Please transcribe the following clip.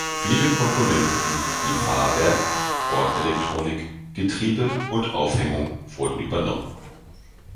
Viele Komponenten wie Fahrwerk, Bordelektronik, Getriebe und Aufhängung wurden übernommen.